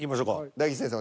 大吉先生